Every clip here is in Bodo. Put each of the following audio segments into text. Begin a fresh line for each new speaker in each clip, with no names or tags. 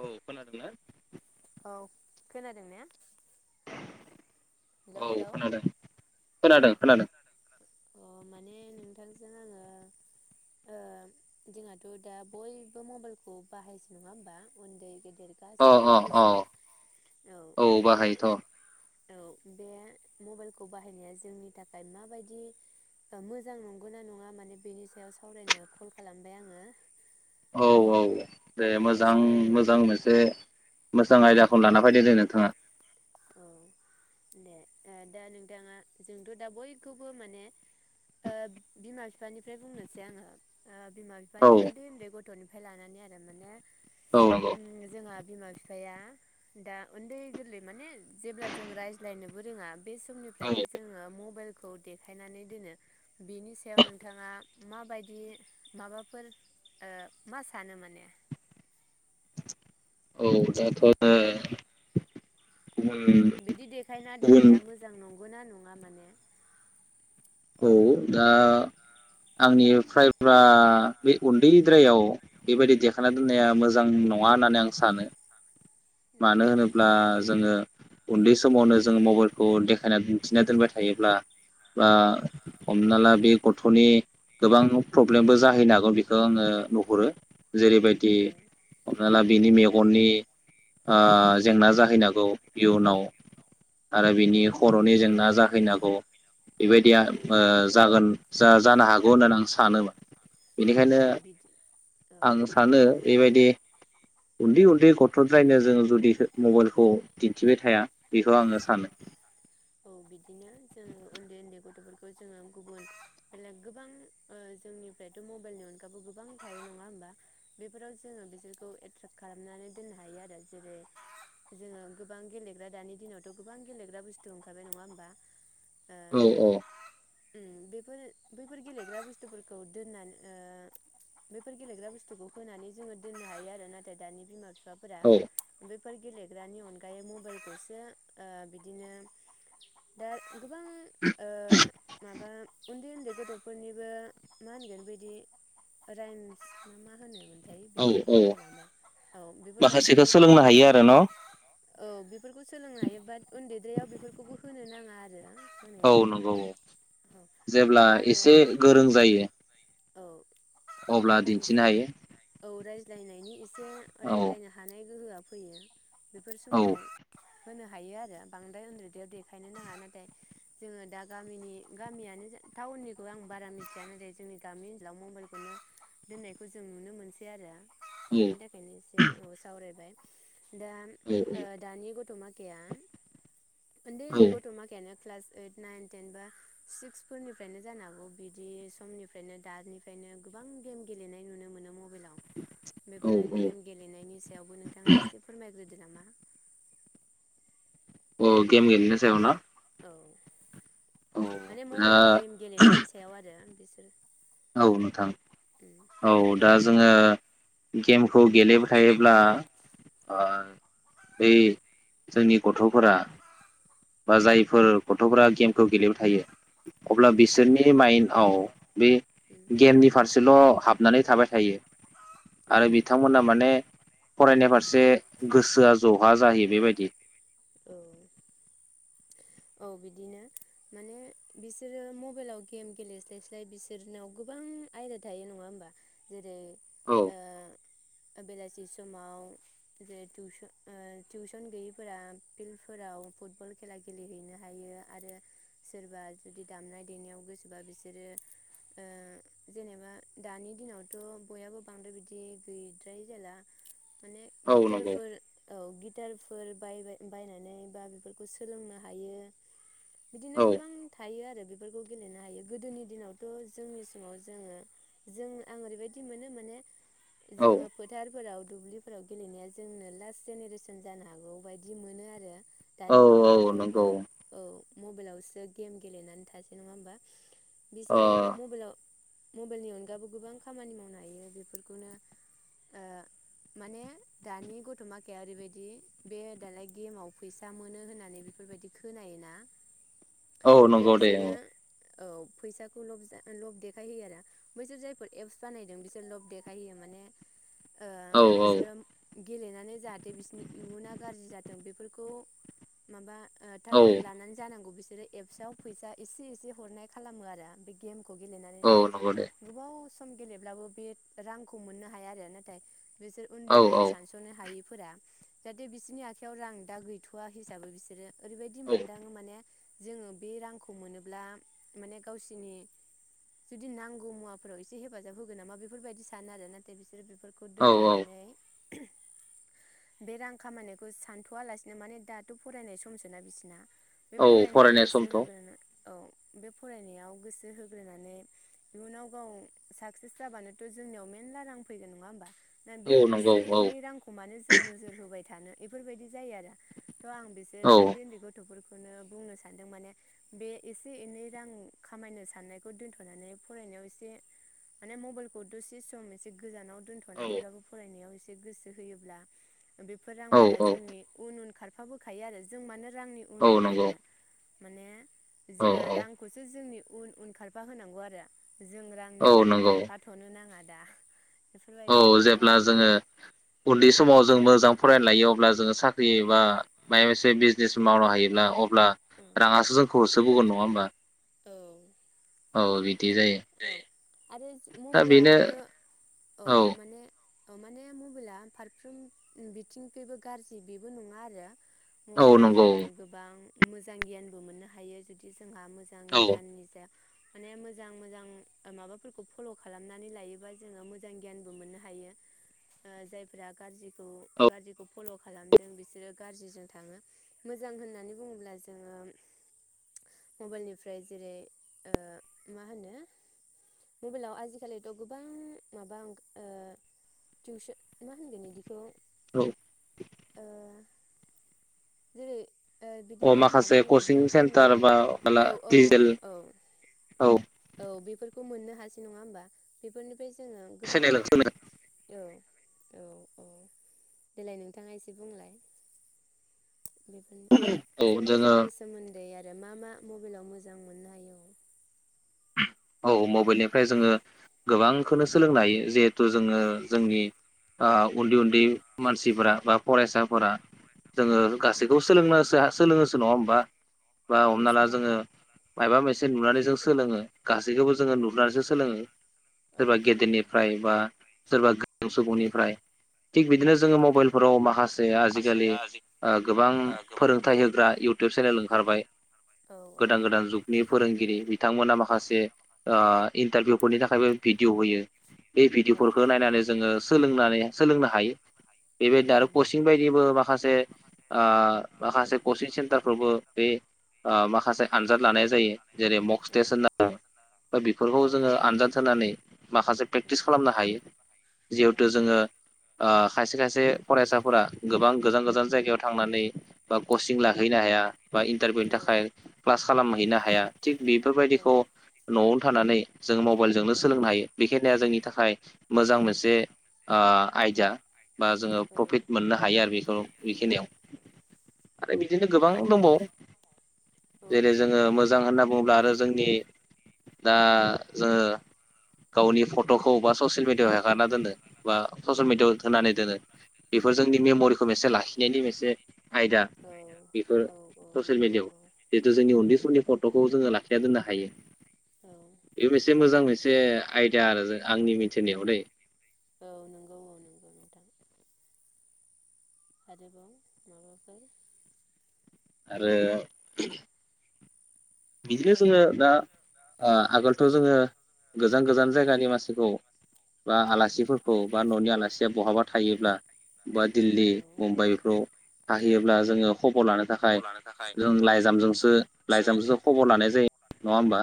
औ खोनादोंना?
औ खोनादों ना? हेलौ
औ
हेलौ अ
खोनादों खोनादों खोनादों
अ माने नोंथांजों आङो ओ जोंहाथ' दा बयबो मबाइलखौ बाहायसो नङा होमबा उन्दै गे दिर
अ
गासिबो
अ अ
बाहायसै औ माने औ बे मबाइलखौ बाहायनाया जोंनि थाखाय माबायदि मोजां नंगौ ना नङा माने बेनि सायाव सावरायनो कल खालामबाय आङो
औ
दा
औ दे
औ सावरायनो
मोजां-मोजां मोनसे मोजां
औ
आयदाखौनो लाना फायदों दे नोंथाङा
औ दे दा नोंथाङा जोंथ' दा बयखौबो माने ओ बिमा बिफानिफ्राय बुंनोसै आङो। ओ बिमा
औ
बिफानि उन्दै-उन्दै ग गथ'निफाय लानानै आरो माने।
औ नंगौ
उम जोंहा। बिमा-बिफाया दा उन्दै गोरलै माने। जेब्ला जों रायज्लायनोबो रोङा। बे
औ
समनिफ्रायनो जोङो मबेल। खौ देखायनानै दोनो। बिनि सायाव नोंथाङा। माबायदि माबाफोर मा सानो माने?
औ दाथ' ओ। गुबुन
बिदि देखायना
गुबुन
दोननाया मोजां नंगौ ना नङा माने?
औ दा आंनि फायब्रा बे उन्दैद्रायाव। बेबायदि देखाना दोननाया मोजां न नङा होननानै आं सानो।
औ
मानो होनोब्ला जोङो उन्दै समावनो जोङो मबेलखौ देखायना दिन्थिना दोनबाय थायोब्ला बा
औ
हमना ला बे। गथ'नि गोबां प्रब्लेमबो जाहैनो हागौ बेखौ आङो नुहुरो। जेरैबायदि हमाना बिनि मे गननि। ओ
औ
जेंना जाहैनांगौ इयुनाव आरो बिनि खर'नि जेंना जाहैनांगौ
औ
बेबायदिया जागोन जा-जानो हागौ होननानै आं सानोमोन,
औ
बेनिखायनो
बिदि औ
आं सानो बेबायदि उन्दै-उन्दै गथ'। फ्रायनो जोङो जुदि मबाइलखौ दिन्थिबाय थाया बेखौ आङो सानो।
औ बे खौ जोङो गुबुन बेलेग गोबां जोंनिफ्रायथ' मबाइलनि अनगााबो गोबां थायो नङा होमबा बेफोराव जोङो बिसोरखौ एट्राेक्ट खालामनानै दोननो हायो आरो। जेरै जोङो गोबां गेलेग्रा दानि दिनावथ' गोबां गेलेग्रा बुस्थु ओंखारबाय नङा होमबा?
औ औ।
बेफोर-बैफोर गेलेग्रा बुस्थुफोरखौ दोननानै ओ बैफोर गेलेग्रा बुस्थुखौ होनानै जोङो दोननो हायो आरो नाथाय दानि बिमा-बिफा। बिफाफोरा।
औ
बेफोर गेलेग्रानि अनगायै मबेलखौसो ओ बिदिनो दा गोबां ओ माबा उन्दै-उन्दै गथ'फोरनिबो मा होनगोन बिदि राइमस ना मा होनो मोन? थाय
औ
बिदिखौ
औ
बावलाय लांबाय औ बेफोरबायदि।
माखासेखौ सोलोंनो हायो आरो न'
औ बेफोरखौ। सोलोंनो हायो बाद उन्दैद्रायाव बेफोरखौबो होनो नाङा आरो।
औ
होनाया
नंगौ औ
औ
जेब्ला
आरो
एसे गोरों जायो।
औ
अब्ला दिन्थिनो हायो।
बुजायनायनि इस से
औ
रायज्लायनो हानाय गोहोआ फैयो बेफोर
औ
समाव होनो हायो आरो बांद्राय उन्दुदैयाव देखायनो नाङा नाथाय जोङो दा गामिनि गामियानोजा टाउननिखौ आं बारा मिथिया नाथाय जोंनि गामि ओनसोलाव मबाइलखौनो दोननायखौ जों नुनो मोनसै आरो।
औ
बिनि थाखायनो ऐसे औ सावरायबाय दा ओ दानि गथ'मा गैया ओनदै औनदै गथ' माखायानो क्लास ओइत नाऐन टेन बा सिक्स फोरनिफ्रायनो जानो हागौ बिदि समनि फ्रायनो दानिफ्रायनो गोबां गेम गेलेनाय नुनो मोनो म बेलाव
औ
बेफोर
औ
गेम गेलेनायनि सायावबो नोंथाङा एसे फोरमायग्रो दोना मा
अ गेम गेलनिसयाव ना?
औ
औ
माने
दा
मबेलाव गेम गेलेनायनि सायाव आरो। बिसोर
औ नोंथां औ दा जोङो गेम खौ गेलेबाय थायोब्ला ओ बै जोंनि गथ'फोरा बा जायफोर गथ'फोरा गेमखौ गेलेबाय थायो
उम
अब्ला बिसोरनि माइन्डआव बे गेमनि फारसे ल' हाबनानै थाबाय थायो
औ
आरो बिथांमोना माने फरायनाय फारसे गोसोआ जहा जाहैयो बेबायदि
औ औ बिदिनो माने बिसोरो मबेलाव गेम गेलेस्लायस्लाय बिसोरनाव गोबां आयदा थायो नङा होमबा जेरै
औ
ओ बेलासि समाव जे टिउसन ओ टिउसन गैयिफोरा फिल्डफोराव फुटबल खेला गेलेहैनो हायो आरो सोरबा जुदि दामनाय देनायाव गोसोबा बिसोरो ओ जेनेबा दानि दिनावथ' बयाबो बांद्राय बिदि गैद्रायै जाला माने
औ नंगौ
गिटारफोर औ गि गिटारफोर बाय-बाय-बायनानै बा बेफोरखौ सोलोंनो हायो बिदिनो
औ
गोबां थायो आरो बेफोरखौ गेलेनो हायो गोदोनि दिनावथ' जोंनि समाव जोङो जों आं ओरैबायदि मोनो माने
औ
जोङो फोथारफोराव दुब्लिफोराव गेलेनाया जोंनो लास्ट जेनेरेसन जानो हागौ बायदि मोनो आरो।
औ
दानि दिनावथ'
औ
बयबो
नंगौ
औ। मबाइलावसो गेम गेलेनानै थासै नङा होमबा?
ओ
बिसोरो मबाइलाव मबाइलनि अनगाबो गोबां खामानि मावनो हायो बे बेफोरखौनो माने दानि गथ' माखाया ओरैबायदि बे दालाय गेमाव फैसा मोनो होननानै बेफोरबायदि खोनायोना
औ
माने
नंगौ दे।
बिसोरो औ फैसाखौ ल-लब देखायहयो आरो बैसोर जायफोर एप्स बानायदों बिसोर लब देख खायो माने ओ
औ
बिसोरो गेलेनानै जाहाथे बिसोरनि इयुना गाज्रि जाथों बेफोर खौ माबा
औ
टारगेट लानानै जानांगौ बिसोर जेरै एपसआव फैसा एसे एसे हरनाय खालामो आरो बे गेम गेलेनानै
औ
नाथाय जों
नंगौ दे
गोबाव स सम गेलेब्लाबो बे रांखौ मोननो हाया आरो नाथाय बिसोर
औ
उन्दै गथ'
औ
सानस'नो हायि फोरा जाहाथे बिसोरनि आखाइयाव रां दा गैथ'वा हिसाबै बिसोरो ओरैबायदि
औ
मोनदां माने जोङो बे रांखौ मोनोब्ला माने गावसिोरनि जुदि नांगौ मुवाफोराव एसे हेफाजाब होगोन नामा बेफोरबायदि सा सानो आरो नाथाय बिसोरो बेफोरखौ
औ औ
दोन्थ'नानै बे रां खामायानिखौ सानथ'वलासिनो माने दाथ' फरायनाय समसोना बिसिना बे
औ
फरायनायाव
फरायनाय
गोसो
समथ'
होगोनो औ बे फरायनायाव गोसो होग्रोनानै इयुनाव गाव साक्सेस जाबानोथ' जोंनियाव मेनला रां फैगोन नङा होनोमबा? दा बे
औ नंगौ
एसे
औ
एनै रांखौ मानो जों नोजोर होबाय थानो बेफोरबायदि जायो आरो थ' आं बिसोर
औ
उन्दै उन्दै गथ'फोरखौ बेनो बुंनो सानदों माने बे एसे एनै रां खामायनो साननायखौ दोन्थ'नानै फरायनायाव एसे माने मबाइल दसे सम एसे गोजानाव
औ
दोनथ'नानैब्लाबो फरायनायाव एसे गोसो होयोब्ला बेफोर रांफोरा
औ
जोंनि उन उन खार खाबोखायो आरो जों मानो रांनि उन
औ
उन
नंगौ
खारनो माने जो
औ
ओ
औ
रांखौसो जोंनि उन उन खारफा होनांगौ आरो। जों रांनि
औ
उन उन
नंगौ
खारफा नाङा दा।
औ
बेफोरबायदि मोनो आरो
जेब्ला जोङो उन्दै समाव जों मो मोजां फरायनालायो अब्ला जोङो साख्रि एबा मायाव मोनसे बि जे समावनो हायोब्ला अ अब्ला राङासो जोंखौ हो बोगोन नङा होमबा।
औ
औ बि
आरो
बेनो
मबाइलाबो औ माने माने मबाइला फारफ्रोम बिथिंखै गाज्रि बेबो नङा आरो
औ
मबाइलाव
नंगौ
जोङो गोबां मोजां गियानबो मोननो हायो जुदि जोंहा मोजां
औ
गियाननि जाया माने मोजां मोजां। माबाफोरखौ फल' खालामनानै लायोबा जोङो मोजां गियानबो मोननो हायो ओ जायफोरा गाज्रिखौ
औ
गाज्रिखौ फल' खालामदों बिसोरो गाज्रिजों थाङो मोजां होननानै बुङोब्ला जोङो मबाइलनिफ्राय जेरै ओ मा होनो मबाइलाव आजि खालिथ गोबां माबा ओ टिउसन मा होनगोन बिदिखौ
औ।
ओ जेरै ओ
अ
बिदिनो
माखासे
माबानि
कचिं
इगजामफोरनि
सेन्टार बा माला
औ औ
डिजिटेल
औ औ
औ
औ बेफोर मोननो हासै नङा होमबा बेफोरनि ओमफ्राय जोङो गोबां
चेनेल
औ। औ औ देलाय नोंथाङा एसे बुंलाय। बेफोरनि
औ
एसे
जोङो
मोजांनि सोमोन्दै दै आरो मा मा मबाइलाव मोजां मोननो हायो।
औ मबाइलनिफ्राय जोङो गोबांखोनो सोलोंनो हायो जिहेथु जोङो जोंनि आ उन्दै उन्दै मानसिफोरा बा फरायसाफोरा जोङो गासैखौबो सोलोंनो सोलों नङा होनबा। बा
औ
हमना ला
सोलोङो
जोङो मायबा मोनसे जे नुनानै जों सोलोङो। गास सैखोबो जोङो नुनानैसो सोलोङो
औ
सोरबा
औ सोलोङो
गेदेरनिफ्राय बा सोरबा गो सुबुंनि फ्राय थिग बिदिनो
उम
जोङो मबाइलफोराव माखासे आजिखालि
माखासेया जि
ओ गोबां
ओ गोबां
फोरोंथाइ होग्रा इउटुब चेनेल ओंखारबाय
औ औ
गोदान गोदान जुगनि फोरोंगिरि बिथांमोना माखास से ओ इन्टारभिउफोरनि थाखायबो भिडिअ होयो बे
औ
भिदिअफोरखौ नायनानै जोङो सोलोंनानै सोलोंनो हायो बेबायदिनो आरो
उम
कचिं बायदिबो माखासे ओ माखासे कचिं सेन्टारफ्रावबो बे माखासे आनजाद लानाय जायो जेरै मकस टेस होनना दा बेफोरखौ
औ
जोङो आनजाद होनानै माखासे प्रेक्टिस खालामनो हायो जिहेथु
उम
जोङो ओ खायस से खायसे फरायसाफोरा गोबां गोजान गोजान जायगायाव थांनानै बा कचिं लाहैनो हाया बा इन्टारभिउनि थाखाय क्लास खालामहैनो हाया थि बेफोरबायद न'आवनो थानानै जों मबाइलजोंनो सोलोंनो हायो बेखिनिा जोंनि थाखाय मोजां मोनसे ओ आयदा बा जोङो प्रफिट मोननो हायो आरो बेखौ बेखिनियाव आरो बिदिनो गोबां दंबावो
औ
जेरै
दङ
जोङो
माने
मोजां होनना बुङोब्ला आरो जोंनि दा जोङो गावनि फट फट'खौ बा ससियेल मिडियायाव हेगारना दोनो बा ससियेल मिडियायाव होनानै दोनो बेफोर
उम
जोंनि मेम'रिखौ मोनसे लाखिनायनि मोनसे आयदा बेफोर
औ
ससियेल
नंगौ
मिेडियाआव
औ
जिहेतु जोंनि उन्दै समनि फट फट'खौ जोङो लाखिया दोननो हायो
औ
बे मोनसे मोजां मोनस से आयदा आरो आंनि मिथिनायाव दै
औ नंगौ औ नंगौ आरोेबाव माबाफोर
आरो बिदिनो जोंयो दा आगोलथ' जोङो गोजान गोजान जायगानि मानसिखौ बा आलासिफोरखौ बा न'नि आलासिया बहाबा थायोब्ला बा
ओ
दिल्ली मुम्बाइफ्राव थाहैयोब्ला जो जोङो खबर लानो
खबर
थाखाय
लानो थाखाय
जों
सो
लाइजामजोंसो लाइजामजोंसो खबर लानाय जायो नङा होमबा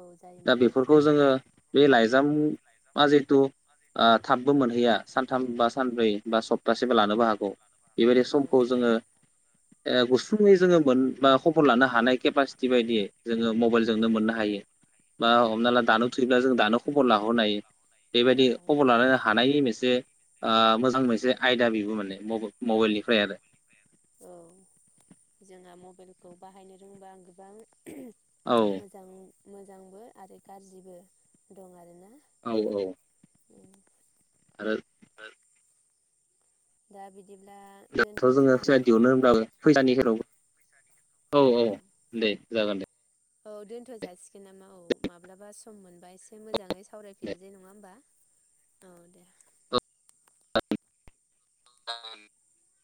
औ
दा
जायोमोन
बेफोरखौ
औ
जोङो बे लाइजामा जिहेथु ओ थाबबो मोनहैया सानथाम बा सानब्रै बा सप्तासेबो लानोबो हागौ बेबायदि
औ
समखौ जोङो ओ गुसुङै जोङो मोन बा खबर लानो हानाय केफा थिबायायदियै जोङो मबाइलजोंनो मोननो हायो बा
औ
हमना
हाय
ला दानो थुैब्ला जों दानो खबर लाहरनो हायो
औ
बेबायदि
हाय
खबर लानो हानायनि मोनसे ओ मोजां मोनसे आयदा बेबो माने मबाइलनिफ्राय आरो
मबाइल खौ बाहायनो रोंबा आं गोबां
आरो
मोजां मोजांबो आरो गाज्रिबो दं आरो ना।
औ औ आरो
दा बि
दाथ जोङो फैसा दिहुननो होनब्लाबो फैसानि [unintelligible] औ औ दे जागोन दे
औ दोनथ' जासिगोन नामा औ माब्लाबा सम मोनबाय एसे मोजाङै
दे औ
सावरायफिनसै नङा होमबा! औ दे [unintelligible]